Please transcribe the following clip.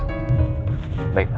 mas duduk dong mas